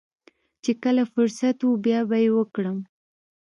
چې کله فرصت و بيا به يې وکړم.